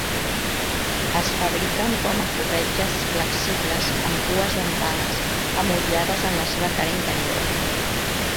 Es fabriquen com a corretges flexibles amb pues dentades emmotllades en la seva cara interior.